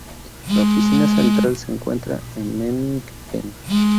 La oficina central se encuentra en Memmingen.